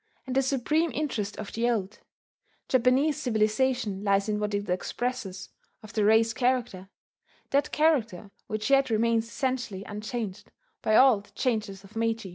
And the supreme interest of the old Japanese civilization lies in what it expresses of the race character, that character which yet remains essentially unchanged by all the changes of Meiji.